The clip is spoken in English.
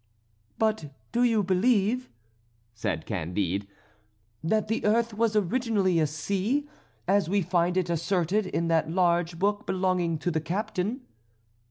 "But do you believe," said Candide, "that the earth was originally a sea, as we find it asserted in that large book belonging to the captain?"